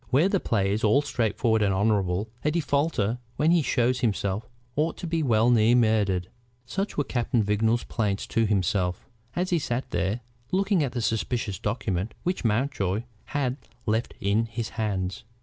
Where the play is all straightforward and honorable, a defaulter when he shows himself ought to be well nigh murdered." Such were Captain Vignolles's plaints to himself, as he sat there looking at the suspicious document which Mountjoy had left in his hands.